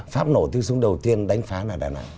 pháp nổ tương súng đầu tiên đánh phá là đà nẵng